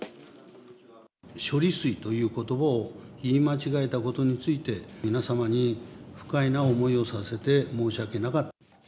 処理水ということを言い間違えたことについて、皆様に不快な思いをさせて、申し訳なかった。